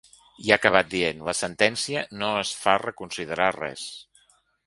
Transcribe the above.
I ha acabat dient: La sentència no es fa reconsiderar res.